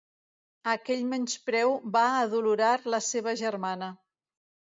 Aquell menyspreu va adolorar la seva germana.